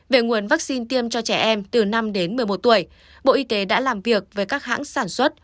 về nguồn vaccine tiêm cho trẻ em từ năm đến một mươi một tuổi bộ y tế đã làm việc với các hãng sản xuất